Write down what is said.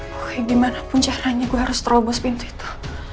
pokoknya dimanapun caranya gue harus terobos pintu itu